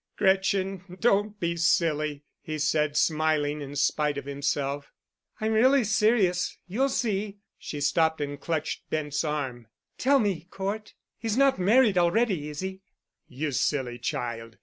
"Gretchen, don't be silly," he said, smiling in spite of himself. "I'm really serious—you'll see." She stopped and clutched Bent's arm. "Tell me, Cort. He's not married already, is he?" "You silly child.